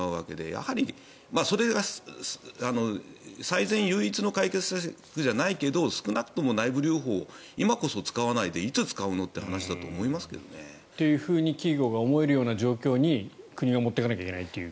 やはり最善唯一の解決策じゃないけど少なくとも内部留保を今こそ使わないでいつ使うの？という話だと思いますけどね。というふうに企業が思えるような状況に国が持っていかなければいけないと。